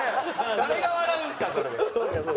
誰が笑うんすかそれで。